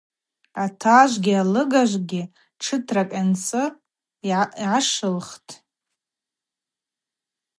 Дара апартизанква йрыуата гвыпквакӏ ащхъахъвшӏаква рпны абжьысырта тшвараква йырпырачӏвахьан.